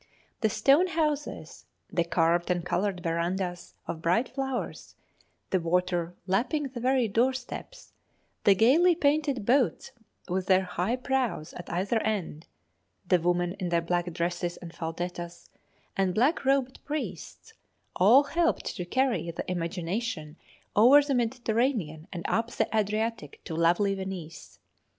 The stone houses, the carved and coloured verandahs of bright flowers, the water lapping the very door steps, the gaily painted boats with their high prows at either end, the women in their black dresses and faldettas, and black robed priests, all helped to carry the imagination over the Mediterranean and up the Adriatic to lovely Venice.